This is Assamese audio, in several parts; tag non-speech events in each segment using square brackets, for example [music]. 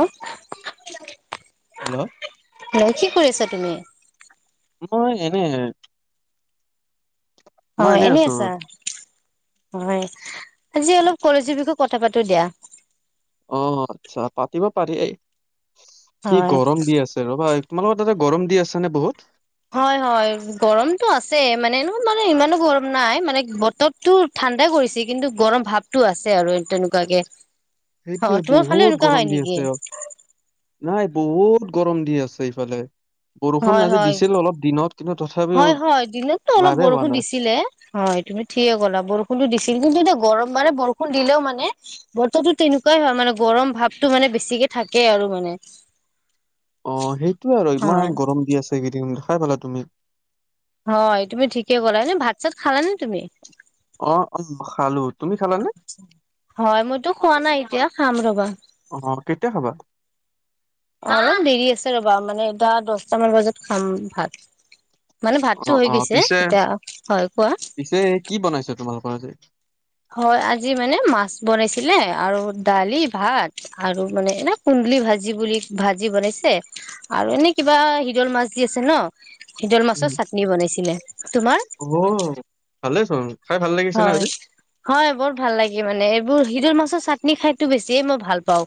অ' নই, হেল্ল' কি কৰি আছ তুমি? মই এনে মই অ' এনে এনেই আছো। আছা? হয়। আজি অলপ কলেজীৰ বিষয়ে কথা পাতো দিয়া। অহ আচ্ছা, পাতিব পাৰি এই কি হয় গৰম দি আছে ৰবা, তোমালোকৰ তাতে গৰম দি আছ নে বহুত? হয় হয়, গৰমটো আছে মানে, মানে ইমানো গৰম নাই মানে বতৰতো ঠা- ণ্ডা কৰিছে কিন্তু গৰম ভাৱটো আছে আৰু তেনেকুৱাকে অ সেইটোৱে তোমাৰ ফালে বহুত এনেকুৱা হয় গৰম দি নেকি? আছে ইয়াত। নাই বহুত গৰম দি আছে ইফালে বৰষুণ হয় আজি হয় দিছিল অলপ দিনত কিন্তু তথাপিও হয় হয়, দিনততো অলপ লাভে হোৱা বৰষুণ নাই দিছিলে হয়, তুমি ঠিকে ক'লা বৰষুণতো দিছিল কিন্তু এতিয়া গৰম মানে বৰষুণ দিলেও মানে বতৰটো তেনেকুৱাই হয় মানে গৰম ভাৱতটো মানে বেছিকে থাকে আৰু মানে। [inaudible] অ, সেইটোৱে আৰু হয় ইমান গৰম দি আছে এইকেইদিন দেখাই পালা তুমি। হয় তুমি ঠিকে ক'লা। এনেই ভাত চাত খালানে তুমি? অ 'অ, খালো। তুমি খালানে? হয়, মইতো খোৱা নাই এতিয়া খাম ৰবা। অ কেতিয়া খাবা? না দেৰি আছে ৰবা। মানে টা, দশটামান বজাত খাম ভাত। মানে অ ভাতটো হৈ অ গৈছে পিছে এতিয়া। হয় কোৱা? পিছে কি [unintelligible] হয় আজি মানে মাছ বনাইছিলে আৰু দালি ভাত আৰু মানে এনে কু ন্দুলি ভাজি বুলি, ভাজি বনাইছে আৰু এনেই কিবা শিদল মাছ যি আছে ন'? শিদল উম, মাছৰ চাটনি বনাইছিলে। তোমাৰ? অ ভালেই চোন খাই ভাল লাগিছে নে আজি? হয়, হয়, বৰ ভাল লাগে মানে এ- ইবোৰ শিদল মাছৰ চাটনি খাইতো বেছিয়ে মই ভাল পাওঁ।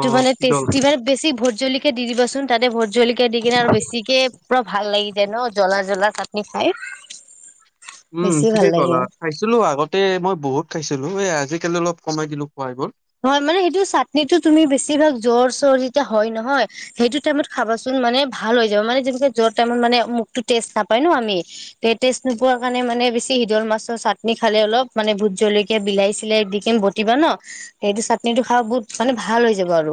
অ মানে কি দল টেষ্টি মানে বেছি ভূতজলকীয়া দি দিবাচোন তাতে ভূ- জলকীয়া দি কিনে আৰু বেছিকে পুৰা ভাল লাগি যায় ন' জ্বলা জ্বলা চাটনি খাই। উম বেছি ভাল ঠিকেই লাগে কলা হয় খাইছিলো আগতে মই বহুত খাইছিলো এ আজিকালি অলপ কমাই দিলো খোৱ এইবোৰ হয় মানে সেইটো চাটনিতটো তুমি বেছিভাগ জ্বৰ চৰ যেতিয়া হয় নহয় সেইটো টাইমত খাবাচোন মানে ভাল হৈ যাব মানে যেে য টাইমত মানে মখতো টেষ্ট নাপায় ন আমি টেষ্ট নোৱাৰ কাৰণে মে মানে বেছি শিদল মাছৰ চাটনি খালে অলপ মানে ভোট জলকীয়া বিলাহী চিলাই দিম বটিবা ন সেইটো চাটনিটো খা বহুত মানে ভাল হৈ যাব আৰু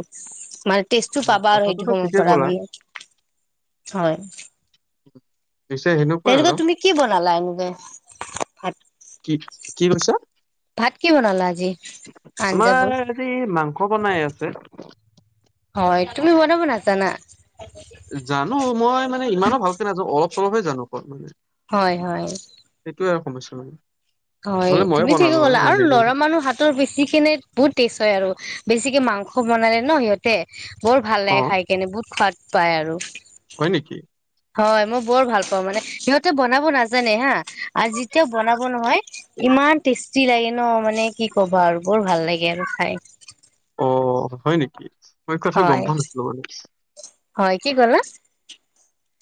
মানে টেষ্টটো অ', পাবা আৰু সেইটো কথাটোতো সময়ৰ ঠিকে পৰা ক'লা মানে হয় পিছে সেনেকুৱাই তেনেকুৱা আৰু তুমি কি বনালা এনেকে ভাত কি কি কৰিছা ভাত কি বনালা আজি আঞ্জাবোৰ আমাৰ হি মাংস বনাই আছে হয় তুমি বনাব নাজানা চলে জানো ক হয় হয় ত এম আছিল নে হয় তুমি ঠিকে কলা আৰু ল'ৰা মানুহ হাতৰ বিছিখনে বহুত তেজ হয় আৰু বেছিকে মাংস বনালে ন সিহঁতে বৰ ভাল লাগে অ', খাই কেনে বহুত সোৱাদ পায় আৰু হয় নেকি হয় মই বৰ ভাল পাওঁ মানে সিহঁতে বনাব নাজানে হা আৰু যেতিয়াও বনাব নহয় ইমান টেষ্টি লাগে ন মানে কি ক'বা আৰু বৰ ভাল লাগে আৰু খাই অ হয় নেকি মই কথাটো গম হয় পোৱা নাছিলো মানে হয় কি গলা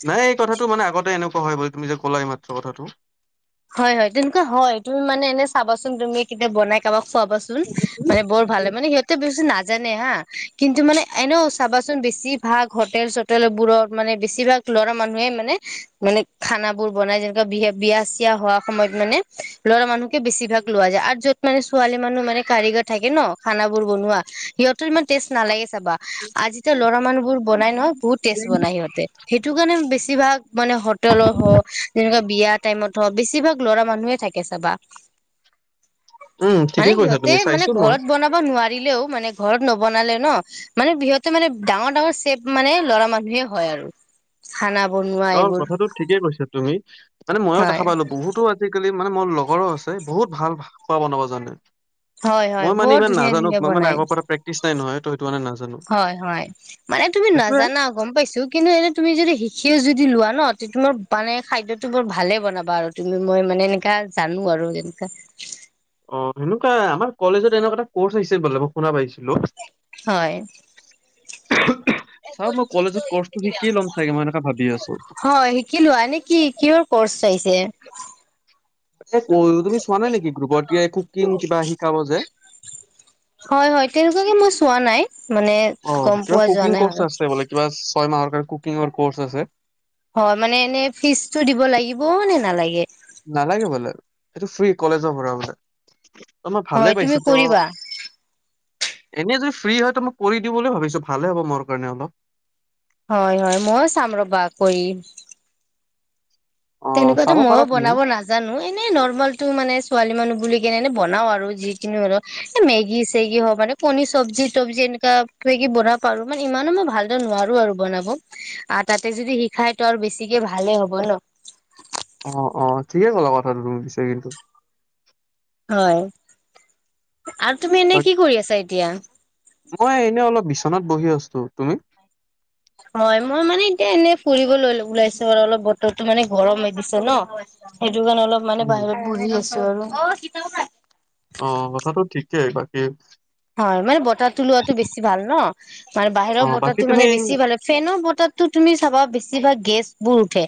নাই এই কথাটো মানে আগতে এনেকুৱা হয় বুলি তুমি যে ক'লা এই মাত্ৰ কথাটো হয় হয় তেনেকুৱা হয় তুমি মানে এনে চাবাচোন তুমি কেতিয়া বনাই কাৰোাবাক খাবাচোন মানে বৰ ভাল হয় মানে সিহঁতে বেছি ন নাজানে হা কিন্তু মানে এনেও চাবাচোন বেছিভাগ হোটেল চটেল বোৰত মানে বেছিভাগ ল'ৰা মানুহে মানে মানে খানা বোৰ বনাই যেনেকুৱা বিয়া বিয়া আছে এয়া হোৱা সময়ত মানে ল'ৰা মানুহকে বেছি ভাগ লোৱা যায় আৰু যত মানে ছোৱালী মানুহ মানে কাৰগৰ থাকে ন [unintelligible] এতিয়া লৰা মানুহ বোৰ বনাই নহ বহুত টেষ্ট বনাই সিহঁতে সেইটো কাৰণে বেছি বেছিভাগ মানে হোটেলৰ হওক যেনেকুৱা বিয়া টাইমত বেছিভাগ ল'ৰা মানুহে থাকে চাবা উম, মানে ঠিকে কৈছা সিহঁতে তুমি মানে চাইছো মই। ঘৰত বনাব নোৱাৰিলেও মানে ঘৰত নবনালে ন মানে বিহতে মানে ডাঙৰ ডাঙৰ চেপ মানে লৰা মানুহে হয় আৰু খানা বনোৱা অ এইবোৰ কথাটো ঠিকেই কৈছা তুমি মানে মইো হয় দেখা পালো বহুতো আজিকালি মানে মোৰ লগৰো আছে বহুত ভাল খোৱা বনাব জানে হয় হয় মই মানে বৰ ইমান ধুনীয়া নাজানো ধুনীয়া মই মানে বনাই আগৰ পৰা প্ৰেক্টিচ নাই নহয় তই হয় হয় মানে তুমি সেইটোয়ে নাজানা গম পাইছো কিন্তু এনে তুমি যদি শিকিও যদি লোৱা ন তুমাৰ মানে খাদ্যটো বোৰ ভালে বনাবা আৰু তুমি মই মানে এনেকাা জানো আৰু এনো অ সেনেকুৱা আমাৰ কলেজত এনেকুৱা এটা কৰ্ আহিছে বোলে মই শুনা পাইছো হয় চাও মই কলেজত কৰ্চটো শিকি ল'ম চাগে মই এনেকা ভাবি আছো হয় শিকিলোনে কি কিহৰ কৰ্চ চাইছে তুমি চোৱা নাই নেকি গ্ৰুপত কুকিং কিবা শিকাব যে হয় হয় তেনেকুৱাকে মই চোৱা নাই মানে অ গম কিবা পোৱা যোৱা কুকিং নাই হয় কৰ্চ আছে বো কিবা ছয় মাহৰ কাৰণে কুকিঙৰ কৰ্চ আছে হয় মানে এনে ফিজতটো দিব লাগিব নে নালাগে নালাগে বোলে সেইটো ফ্ৰ্ৰী কলেজৰ ভৰা মানলে ত মই হয় ভালেই তুমি পাইছো ত কৰিবা এনেই যদি ফ্ৰী হয় তো মই কৰি দিওঁ বুলি ভাবিছো ভালে হ'ব মোৰ কাৰণে অলপ হয় হয় ময়ও চাম ৰবা কৰি অ তেনেকুৱাতো চাব পাৰা মইও তুমি বনাব নাজানো এনেই নৰ্মেলটো মানে ছোৱালী মানুহ বুলি বনাও আৰু যি কিনি হলেও মেগি চেগি হওক মানে কণী চব্জি তবজি এনেকা বনাব পাৰো মানে ইমানো মই ভাল নোৱাৰো আৰু বনাব আহ তাতে যদি শিখাই তো আৰু বেছিকে ভাল ভাল হ'ব ন অ অ ঠিকে ক'লা কথাটো ৰুম দিছে কিন্তু হয় আৰু তুমি এনে বাক কি কৰি আছা এতিয়া দোকানত বহি আছো তুমি হয় মই মানে এতিয়া এনে ফুৰিবলৈ ওলাইছো আৰু অলপ বতৰটো মানে গৰম হৈ দিছে ন হেটোকানে অলপ মানে উম বাহিৰত বহি আছো আৰু অ কথাটো ঠিকেই বাকী হয় মানে বতাহটো লোৱাটো বেছি ভাল ন অ বাহিৰৰ বাকী বতাহতো মানে তুমি বেছি ভাল হয় ফেনৰ বতাহতো তুমি চাবা বেছি ভাগ গেছবোৰ উঠে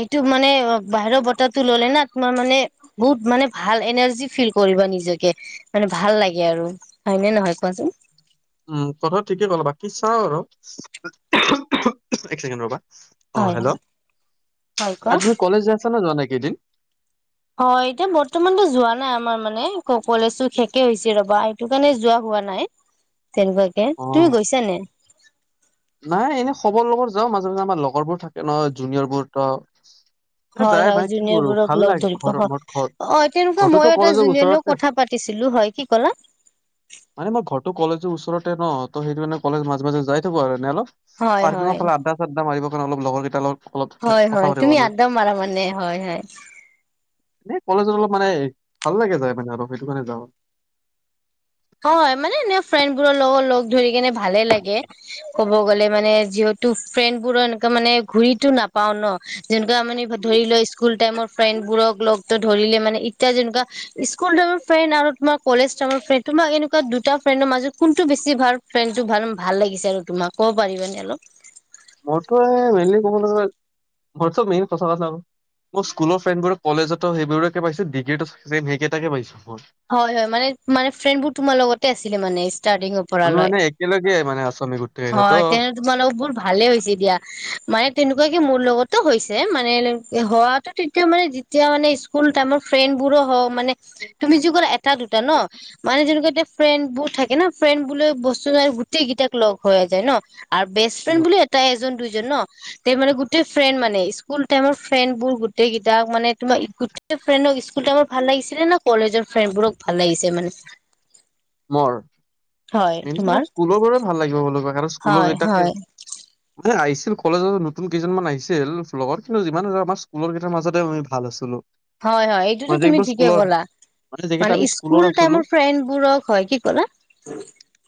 এইটো মানে বাহিৰ বতৰটো ললে না তোমাৰ মানে বহুত মান- মানে ভাল এনাৰ্জি ফিল কৰিবা নিজকে মানে ভাল লাগে আৰু হয়নে নহয় কোৱাচোন উম কথা ঠিকে কলা বাকী চাও আৰু এক ছেকেণ্ড ৰবা অ হয় হেল্ল' হয় কোৱা আৰু তুমি কলেজ যাই আছা নে যোৱা নাই কেইদিন হয় এতিয়া বৰ্তমানতো যোৱা নাই আমাৰ মানে ক কলেজো শেকে হৈছে ৰবা এইটো কাৰণে যোৱা পোৱা নাই তেনেকুৱাকে অ তুমি গৈছা নাই নাই এনেই খবৰ লগৰ যাওঁ মাজে মাজে আমাৰ লগৰবোৰ থাকে ন জুনিয়ৰবোৰোত হয় হয় জুনিয়ৰ বোৰক লগ ধৰিব ঘৰ মোৰ ঘৰ হয় অ তেনেকুৱা ঘৰটোতো মই এটা কলেজৰ জুনিয়ৰ লগ ওচৰতে কথা পাতিম ছিলো হয় কি ক'লা মানে মই ঘৰটো কলেজৰ ওচ চৰতে ন ত হেতোকাণে কলেজ মাজে মাজে যাই থাকো আৰু এনে আৰু হয় পাৰ্কিঙৰ হয় ফালে আদ্দা চাদ্দা মাৰিব অলপ লগৰ কেইটা লগ হয় হয় তুমি আদ্দাও মাৰা মানে হয় হয় এ কলেজত অলপ মানে ভাল লাগে যায় মানে অলপ সেইটো কাৰণে যাওঁ হয় হয় মানে এনে ফ্ৰেণ্ড বোৰৰ লগত লগ ধৰি কিনে ভালে লাগে ক'ব গ'লে মানে যিহ ফ্ৰেণ্ড বোৰৰ এনেকা মানে ঘুৰিতো নাপাও ন যেনেকুৱা মানে ধৰি লোৱা স্কুল টাইমৰ ফ্ৰেণ্ড বোৰক লগত ধৰিলে মানে এত য়া যেনুকা স্কুল টাইমৰ ফ্ৰেণ্ড আৰু তোমাৰ কলেজ টামৰ ফ্ৰেণ্ড তোমাক এনেকুৱা দুটা ফ্ৰেণ্ডৰ মাজত কোনটো বেছি ভাল ফ্ৰেণ্ডটো ভাল ভাল লাগিছে আৰু তোমাক ক'ব পাৰিবানে অলপ মোৰতো মেইনলি কবলে গলে মেইন প্ৰচাৰত [unintelligible] মোৰ স্কুলৰ ফ্ৰেডবোৰ কলেজতো সেইবোৰকে পাইছো ডিগ্ৰীটো চেম সেইকেইটাকে পাইছো মই হয় হয় মানে মানে ফ্ৰেণ্ডবোৰ তোমাৰ লগতে আছিলে মানে ষ্টাৰটিঙৰ পৰা আমি লৈ মানে একেলগে মানে আছো আমি গোটেইকেইটা ত হয় তেনেহ তোমাৰ লগত বহু ভালে হৈছে দিয়া মানে তেনেকুৱাকে মোৰ লগতো হৈছে মানে হোৱাটো তেতিয়া মানে যেতিয়া মানে স্কুল টাইমৰ ফ্ৰেণ্ড বোৰো হ মানে তুমি যি কলা এটা দুটা ন মানে যেনুকা এ ফ্ৰেণ্ড বহত থাকে ন ফ্ৰেণ্ড বোলে বস্তু নাই গোটেই কেইটাক লগ কৰা যায় ন আৰু বেষ্ট ফ্ৰেণ্ড বুলি এটাই এজন দুই জন ন তে মানে গোটেই ফ্ৰেণ্ড মানে স্কুল টাইমৰ ফ্ৰেণ্ড বোৰ গোটেই কেইটাক মানে তোমাৰ [unintelligible] ফ্ৰেণ্ডক স্কুল টামৰ ভাল লাগিছিলে ন কলেজৰ ফ্ৰেণ্ড বোৰক ভাল লাগিছে মানে মৰ কিন্তু তোমাৰ স্কুলৰ বোৰে ভাল লাগিব বুলি কয় আৰ স্কুলৰ হয় গেটাকে হয় অ আইছ ছিল কলেজত নতুন কেইজনমান আহিছিল লগৰ কিন্তু যিমান ধ আমাৰ স্কুলৰ কেইটাৰ মাজতে আমি ভাল আছিলো হয় হয় এইটোতো মই যে তুমি এইবাৰ ঠিকে স্কুলৰ ক'লা মানে স্কুল টাইমৰ ফ্ৰেডবোৰক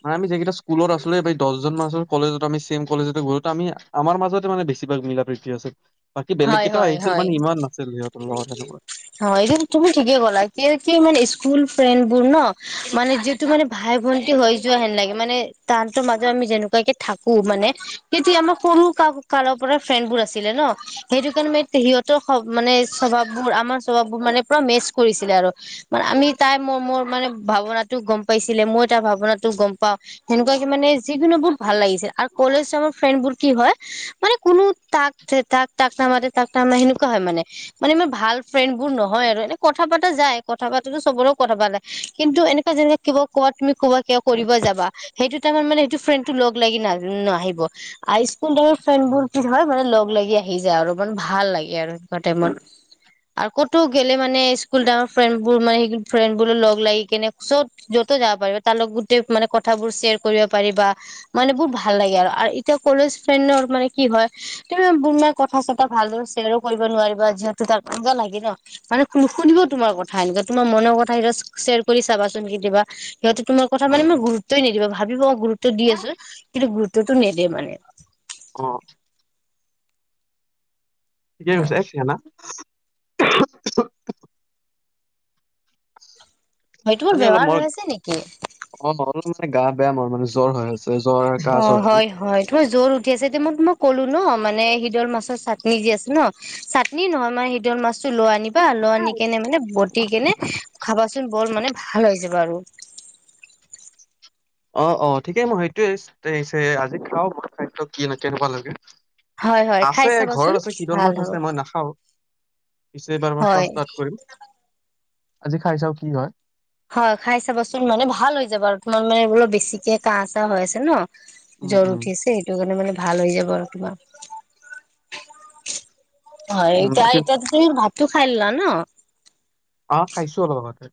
হা আমি যেকেটা স্কুলত আছ কমেও আমি দহজন মান আছিলো কলেজত আমি চেম কলেজতে গ'ল আমি আমাৰ মাজতে মানে বেছিভাগ মিলা প্ৰীতি আছিল বাকী বেলেগ হয় কেইটাও হয় আহিছিল মানে ইমান নাছিল সিহঁতৰ লগত হেনকা অ এইটো তুমি ঠিকে কলা কি কি মানে স্কু স্কুল ফ্ৰেণ্ বোৰ ন মানে যিহেতু মানে ভাই ভন্টি হৈ যোৱা হেন লাগে মানে তাহতৰ মাজত আমি আমি যেনেকুৱাকে থাকো মানে সিতি আমাৰ সৰু কা কালৰ পৰা ফ্ৰেণ্ড বোৰ আছিলে ন সেইটো কাৰণে ম সিহঁতৰ মানে স্বভাৱবোৰ আমাৰ স্বভাৱবোৰ মানে পুৰা মেচ কৰিছিলে আৰু আমি তাই ম মোৰ মানে ভাৱনাতটো গম পাইছিলে মই তাৰ ভাৱনাতো গম পাওঁ সেনেকুৱাক মানে য বোৰ ভাল লাগিছে আৰু কলেজাৰ ফ্ৰেণ্ড বোৰ কি হয় মানে কোনো তাক তাক তাক নামাতে তাক তামা সেনেকুৱা হয় মানে মানে মাৰ ভাল ফ্ৰেণ্ড বোৰ নহয় আৰু এনে কথা পাতা যায় কথা প ো চবৰে কথা পালে কিন্তু এনেককাে যেনে কিবা কোৱা তুমি ক'বা কিয় কৰিব যাব সটো তাৰ মানে সেইটো ফ্ৰেণ্ড টো লগ লাগি ন নাহিব আৰু হাইস্কুল ফ্ৰেড বোৰ কি হয় মানে লগ লাগি আহি যায় আৰু ইমান ভাল লাগে আৰু সুৱা টাইমত। আৰু ক'তো গেলে মানে স্কুলত আমাৰ ফ্ৰেণ্ড বোৰ মানে সেই ফ্ৰেণ্ড বোৰ লগ লাগি কেনে চত য'ত যাব পাৰিবা তাৰ লগ গোটেই মানে কথাবোৰ শ্বেয়াৰ কৰিব পাৰিবা মানে বহুত ভাল লাগে আৰু এতিয়া ক'লে ম কি হয় [unintelligible] কথা চতা ভালদৰে শ্বেয়াৰো কৰিব নোৱাৰিবা যিহেতু তাক আঞ্জা লাগে ন মানে শু শুনিব তোমাৰ কথা এনো তোমাৰ মনৰ কথা সত শ্বয় কৰি চাবাচোন কেতিয়াবা সিহঁতে তোমাৰ কথা মানে মই গুৰুত্বই নিদিব ভাবিব গুত দি আছো কিন্তু গুৰুত্বতটো নিদিয়ে মানে। অ [unintelligible] হয়তো মোৰ মানে অলপ বেমাৰ ম হৈ আছে নেকি অ' অলপ মানে গা বেয়া মৰ মানে জ্বৰ হৈ আছে। জ্বৰ কাহ অ' চৰ্দি। হয় হয় তোমাৰ জোৰ উঠি আছে মই তো মই ক'লো ন মানে সিদল মাছৰ চাটনি দি আছে ন চাটনি নহয় মানে সিদল মাছটো ল আনি ল আনি কেনে মানে বতি কেনে খাবাচোন বৰ মানে ভাল হয়। [unintelligible] অ' অ' ঠিকেই মই সেইটোয়ে আজি খাও বু খাদ্য কি ন কে এনেকুৱা লাগে। হয় হয় খাই আছে ঘৰত চাবাচোন আছে শদল ভাল মাছ আছে হ'ব মই নাখাও। পিছে এইবাৰ মই ফ হয় ষ্টাৰ্ট কৰি আজি খাই চাও কি হয়। হয় খাই চাবাচোন মানে ভাল হৈ যাবা আৰু তোমাৰ মানে বোলো বেছিকে কাহ চাহ হৈ আছে ন। উম, জ্বৰ উম, উঠিছে সেইটো কাৰণে মানে ভাল হৈ যাব আৰু তোমাৰ। হয় উম, এইতিয়া বাকী এই তোৰ ভাতো খাই না ন? আহ খাইছো অলপ আগতে।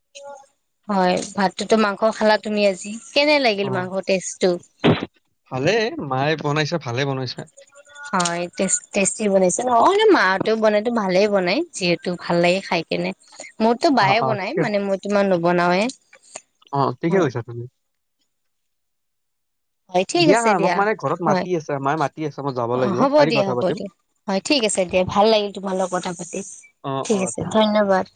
হয় ভাতটোতো মাংস খালা তুমি আজি। কেনে অ'। লাগিল মাংসৰ টজটো? ভালে মায়ে বনাইছে ভালে বনাইছে। হয় বনাইছে ন মাহতেও বনাইো ভালে বনাই যিহেতু ভাল লাগে খাই। াই কেনে মোৰতো অ', বায়ে অ', বনাই ঠিকে মানে মোৰতো মানে নবনাওে। অ ঠিকে কৈছা তুমি। হয় ঠিক আছে হা মোক দিয়া মানে ঘৰত হয় মাতি আছে মায়ে মাতি আছে মই যাব অ' লাগিব হ'ব কালি দিয়া কথা হ'ব পাতিম দিয়া হয় ঠিক ঠিক আছে দিয়া ভাল লাগিল তোমাল লগ কথা পাতি অ', অ'। ঠিক আছে ধন্যবাদ। [inaudible]